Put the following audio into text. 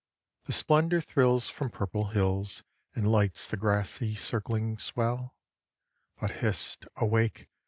The splendor thrills from purple hills, And lights the grassy circling swell; But, hist! awake!